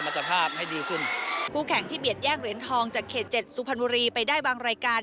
เปิดปรับเพิ่มเสริมสร้างสมัจภาพให้ดีขึ้น